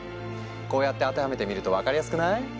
こうやって当てはめてみると分かりやすくない？